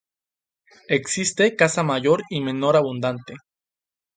Existe caza mayor y menor abundante.